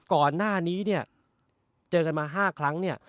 ก่อนหน้านี้เนี่ยเจอกันมา๕ครั้งเนี่ย